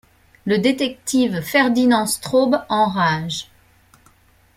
Le détective Ferdinand Straub enrage.